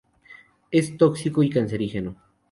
Es tóxico y cancerígeno.